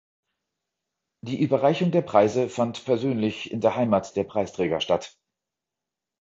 Die Überreichung der Preise fand persönlich in der Heimat der Preisträger statt.